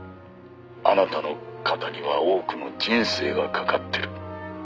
あなたの肩には多くの人生がかかってる」